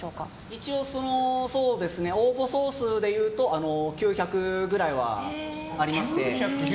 一応、応募総数でいうと９００ぐらいはありまして。